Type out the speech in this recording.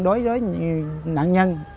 đối với nạn nhân